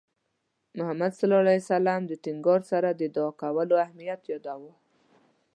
محمد صلى الله عليه وسلم د ټینګار سره د دُعا کولو اهمیت یاداوه.